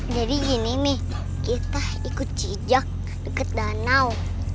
jadi gini mi kita ikut jejak deket danau